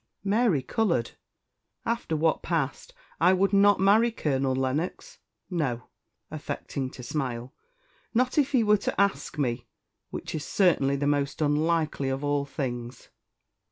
Mary coloured. "After what passed, I would not marry Colonel Lennox; no" affecting to smile "not if he were to ask me, which is certainly the most unlikely of all things."